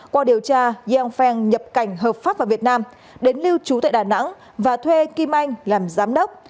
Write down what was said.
qua điều tra yang pheng nhập cảnh hợp pháp vào việt nam đến lưu trú tại đà nẵng và thuê kim anh làm giám đốc